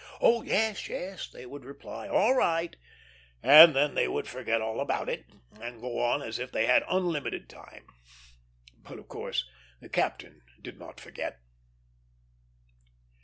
'Oh yes, yes,' they would reply, 'all right'; and then they would forget all about it, and go on as if they had unlimited time." But of course the captain did not forget.